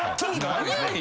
何やねん！？